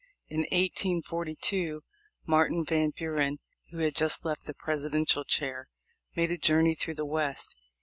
In 1842, Martin Van Buren, who had just left the Presidential chair, made a journey through the West.